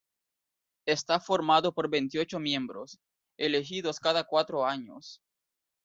Está formado por veintiocho miembros, elegidos cada cuatro años.